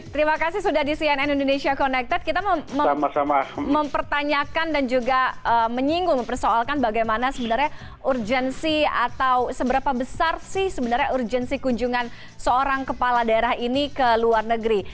terima kasih sudah di cnn indonesia connected kita mempertanyakan dan juga menyinggung mempersoalkan bagaimana sebenarnya urgensi atau seberapa besar sih sebenarnya urgensi kunjungan seorang kepala daerah ini ke luar negeri